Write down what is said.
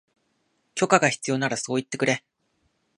許可が必要ならそう言ってくれ